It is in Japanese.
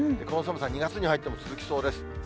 この寒さ、２月に入っても続きそうです。